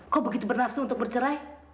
kok begitu bernafsu untuk bercerai